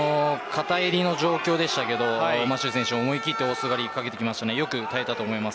片襟の状況でしたがマシュー選手も思い切って大外刈をかけてきました。